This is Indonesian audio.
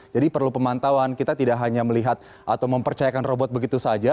jadi perlu pemantauan kita tidak hanya melihat atau mempercayakan robot begitu saja